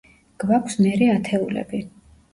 გვაქვს მერე ათეულები.